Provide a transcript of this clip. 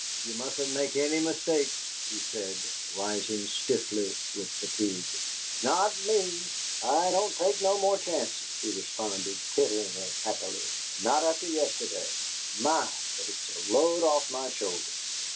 "You mustn't make any mistakes," he said, rising stiffly with fatigue. "Not ME! I don't take no more chances," she responded, tittering happily. "Not after yesterday. MY! but it's a load off my shoulders!